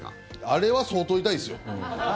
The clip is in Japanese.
あれは相当痛いですよ。